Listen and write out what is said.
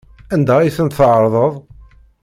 Anda ay tent-tɛerḍeḍ?